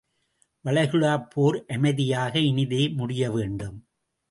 வளைகுடாப் போர் அமைதியாக இனிதே முடியவேண்டும்.